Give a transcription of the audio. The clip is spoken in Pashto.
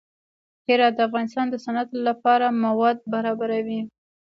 هرات د افغانستان د صنعت لپاره مواد برابروي.